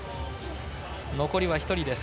残りは１人です。